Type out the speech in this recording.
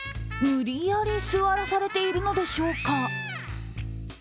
無理やり座らされているのでしょうか。